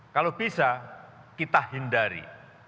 kalau bisa kita hindari